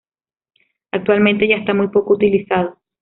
Actualmente ya está muy poco utilizado.